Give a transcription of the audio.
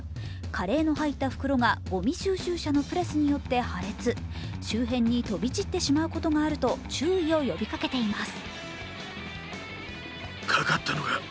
カレーの入った袋がごみ収集車のプレスによって破裂、周辺に飛び散ってしまうことがあると注意を呼びかけています。